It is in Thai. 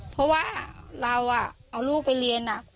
เพราะว่าเราเอาลูกไปเรียน